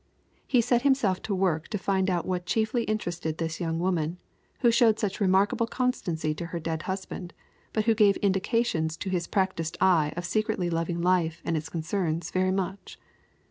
He set himself to work to find out what chiefly interested this young woman, who showed such remarkable constancy to her dead husband, but who gave indications to his practiced eye of secretly loving life and its concerns very much.